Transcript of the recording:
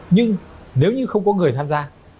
nhưng nếu như không có người tham gia